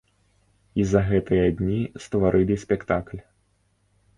І за гэтыя дні стварылі спектакль.